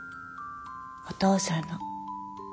お父さんの。